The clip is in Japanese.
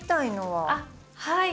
はい。